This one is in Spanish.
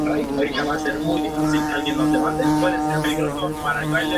Es un arbusto alto, a veces creciendo hasta el tamaño de un árbol.